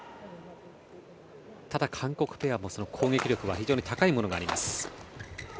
ただ、韓国ペアも攻撃力は高いものがあります。